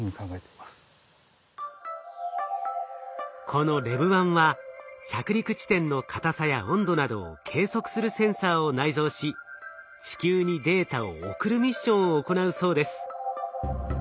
このＬＥＶ−１は着陸地点の硬さや温度などを計測するセンサーを内蔵し地球にデータを送るミッションを行うそうです。